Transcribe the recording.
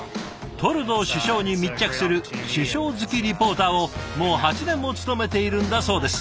トルドー首相に密着する首相付きリポーターをもう８年も務めているんだそうです。